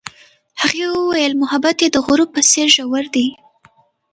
هغې وویل محبت یې د غروب په څېر ژور دی.